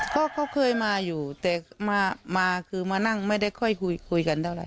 ก็เขาเคยมาอยู่แต่มาคือมานั่งไม่ได้ค่อยคุยกันเท่าไห